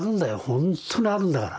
ほんとにあるんだから。